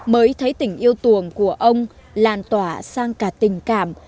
mới thấy tình yêu tuồng của ông làn tỏa sang cả tình cảm